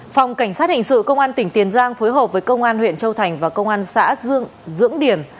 phòng cảnh sát hình sự công an tỉnh tiền giang phối hợp với công an huyện châu thành và công an xã dương dưỡng điển